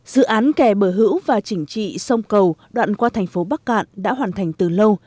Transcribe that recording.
dự án kè bờ hữu và chỉnh trị sông cầu đoạn qua thành phố bắc cạn đã hoàn thành từ lâu